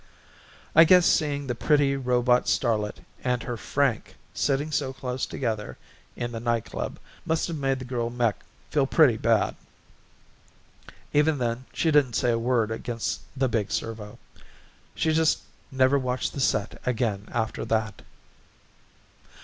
I guess seeing the pretty robot starlet and her Frank sitting so close together in the nightclub must have made the girl mech feel pretty bad. Even then she didn't say a word against the big servo; she just never watched the set again after that.